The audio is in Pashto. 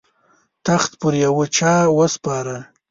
تخت پر یوه چا وسپاره.